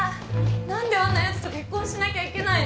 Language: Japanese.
何であんなやつと結婚しなきゃいけないの！？